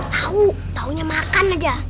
tahu taunya makan aja